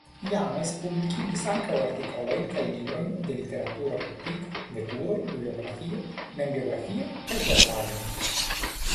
James publikigis ankaŭ artikolojn kaj librojn de literatura kritiko, veturoj, biografio, membiografio kaj teatraĵojn.